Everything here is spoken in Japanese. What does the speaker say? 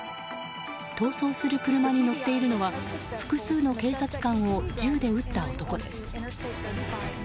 逃走する車に乗っているのは複数の警察官を銃で撃った男です。